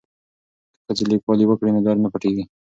که ښځې لیکوالي وکړي نو درد نه پټیږي.